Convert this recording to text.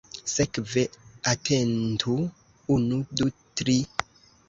Sekve atentu: unu, du, tri!